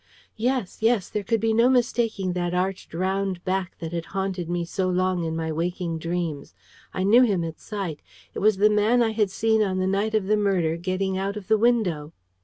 Yes, yes! There could be no mistaking that arched round back that had haunted me so long in my waking dreams. I knew him at sight. It was the man I had seen on the night of the murder getting out of the window!